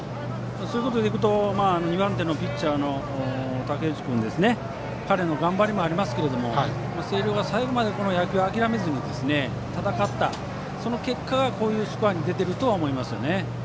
そういうことでいうと２番手のピッチャーの武内君彼の頑張りもありますが星稜が最後まで野球を諦めずに戦った、その結果がこういうスコアに出てると思います。